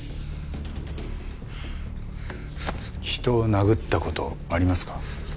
人を殴った事ありますか？